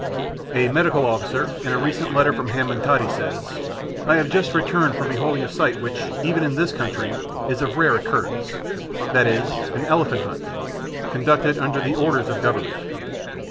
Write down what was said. A medical officer, in a recent letter from Hambantotti says, I have just returned from beholding a sight, which, even in this country, is of rare occurrence, viz. an elephant hunt, conducted under the orders of government.